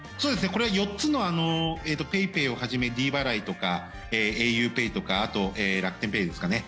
これは４つのＰａｙＰａｙをはじめｄ払いとかａｕＰＡＹとかあと楽天ペイですかね